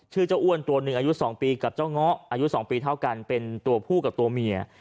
เจ้าอ้วนตัวหนึ่งอายุ๒ปีกับเจ้าเงาะอายุ๒ปีเท่ากันเป็นตัวผู้กับตัวเมีย